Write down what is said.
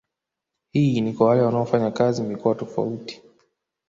Hii ni kwa wale wanaofanya kazi mikoa tofauti